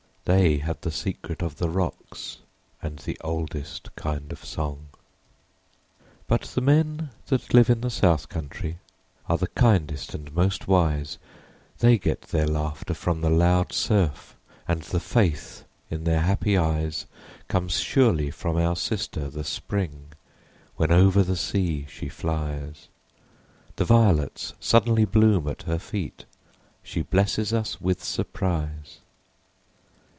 They have the secret of the Rocks, And the oldest kind of song. But the men that live in the South Country Are the kindest and most wise, They get their laughter from the loud surf, And the faith in their happy eyes Comes surely from our Sister the Spring When over the sea she flies ; The violets suddenly bloom at her feet, She blesses us with surprise.